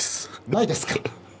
ないです。